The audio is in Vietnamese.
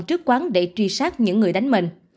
trước quán để truy sát những người đánh mình